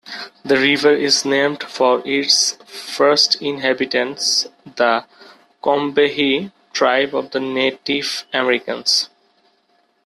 The river is named for its first inhabitants, the Combahee tribe of Native Americans.